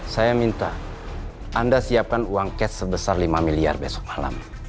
saya minta anda siapkan uang cash sebesar lima miliar besok malam